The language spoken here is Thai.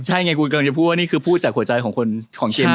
ใช่ไงคุณกำลังจะพูดว่านี่คือพูดจากหัวใจของคนของเกม